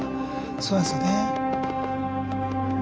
そうなんですよね。